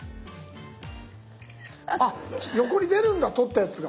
横に出るんだ撮ったやつが。